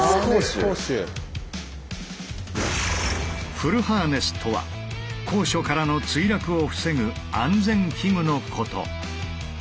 「フルハーネス」とは高所からの墜落を防ぐ安全器具のこと。